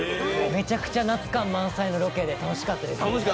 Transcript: めちゃくちゃ夏感満載のロケで楽しかったですよ。